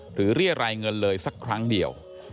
เรียรายเงินเลยสักครั้งเดียว